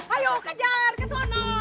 ayo kejar kesana